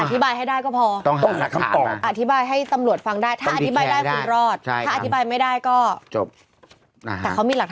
อธิบายให้ได้ก็พอต้องหาหลักคำตอบอธิบายให้ตำลวดฟังได้